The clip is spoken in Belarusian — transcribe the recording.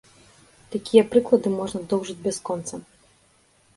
Такія прыклады можна доўжыць бясконца.